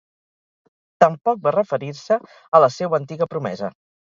Tampoc va referir-se a la seua antiga promesa.